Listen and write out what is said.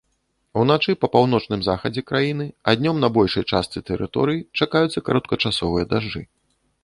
Уначы па паўночным захадзе краіны, а днём на большай частцы тэрыторыі чакаюцца кароткачасовыя дажджы.